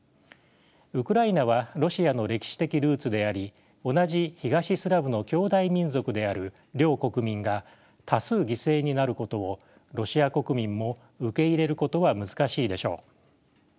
ウクライナはロシアの歴史的ルーツであり同じ東スラブの兄弟民族である両国民が多数犠牲になることをロシア国民も受け入れることは難しいでしょう。